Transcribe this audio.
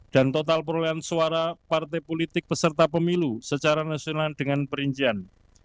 dan total perolian suara partai politik peserta pemilu secara nasional dengan perincian